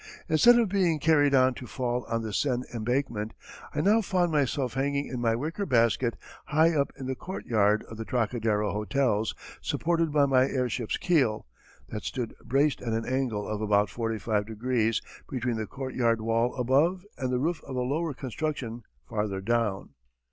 Instead of being carried on to fall on the Seine embankment, I now found myself hanging in my wicker basket high up in the courtyard of the Trocadero hotels, supported by my airship's keel, that stood braced at an angle of about forty five degrees between the courtyard wall above and the roof of a lower construction farther down.